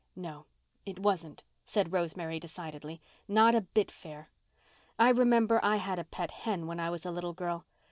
"No, it wasn't," said Rosemary decidedly. "Not a bit fair. I remember I had a pet hen when I was a little girl.